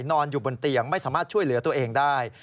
นอนอยู่บนเตียงไม่สามารถช่วยเหลือตัวเองได้